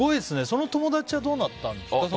その友達はどうなったんですか？